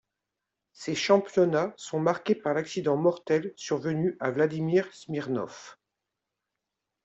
Ces championnats sont marqués par l’accident mortel survenu à Vladimir Smirnov.